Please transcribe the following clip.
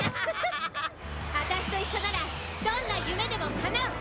あたしと一緒ならどんな夢でも叶う！